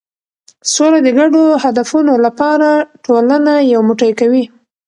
سوله د ګډو هدفونو لپاره ټولنه یو موټی کوي.